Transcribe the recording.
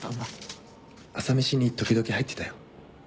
朝飯に時々入ってたよ。